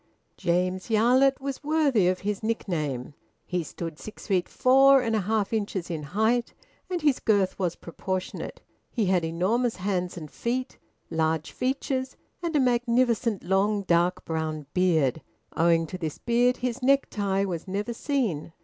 James Yarlett was worthy of his nickname. He stood six feet four and a half inches in height, and his girth was proportionate; he had enormous hands and feet, large features, and a magnificent long dark brown beard; owing to this beard his necktie was never seen.